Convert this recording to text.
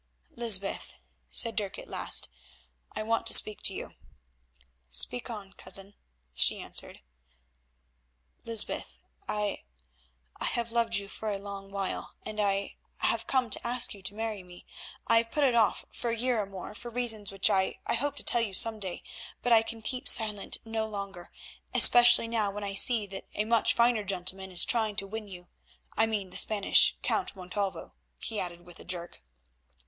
"Lysbeth," said Dirk at last, "I want to speak to you." "Speak on, cousin," she answered. "Lysbeth, I—I—have loved you for a long while, and I—have come to ask you to marry me. I have put it off for a year or more for reasons which I hope to tell you some day, but I can keep silent no longer, especially now when I see that a much finer gentleman is trying to win you—I mean the Spanish Count, Montalvo," he added with a jerk.